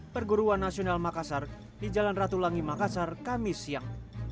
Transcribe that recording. perguruan nasional makassar di jalan ratulangi makassar kamis siang